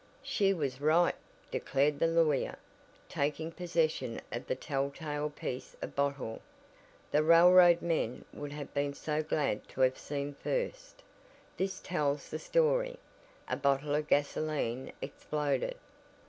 "She was right," declared the lawyer, taking possession of the tell tale piece of bottle, the railroad men would have been so glad to have seen first, "this tells the story. A bottle of gasoline exploded."